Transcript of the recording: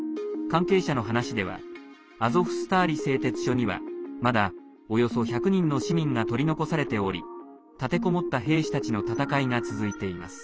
関係者の話ではアゾフスターリ製鉄所にはまだ、およそ１００人の市民が取り残されており立てこもった兵士たちの戦いが続いています。